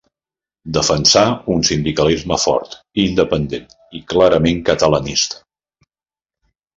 Defensà un sindicalisme fort i independent, i clarament catalanista.